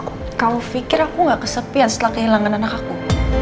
aku pikir aku gak kesepian setelah kehilangan anak aku